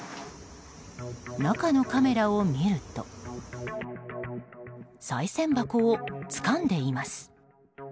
中のカメラを見るとさい銭箱をつかんでいます。